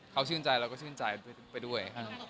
เขาชื่นใจเราก็ชื่นใจไปด้วย